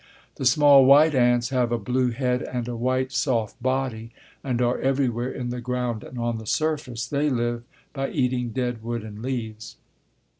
The small White Ants have a blue head and a white, soft body and are everywhere in the ground and on the surface. They live by eating dead wood and leaves.